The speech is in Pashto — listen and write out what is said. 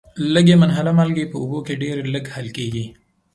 لږي منحله مالګې په اوبو کې ډیر لږ حل کیږي.